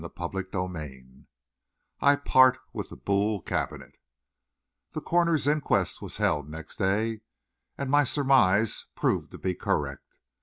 CHAPTER XVIII I PART WITH THE BOULE CABINET The coroner's inquest was held next day, and my surmise proved to be correct.